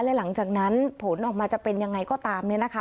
และหลังจากนั้นผลออกมาจะเป็นยังไงก็ตาม